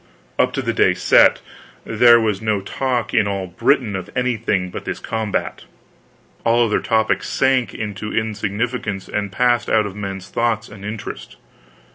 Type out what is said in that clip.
Up to the day set, there was no talk in all Britain of anything but this combat. All other topics sank into insignificance and passed out of men's thoughts and interest.